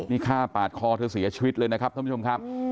นี่ฆ่าปาดคอเธอเสียชีวิตเลยนะครับท่านผู้ชมครับ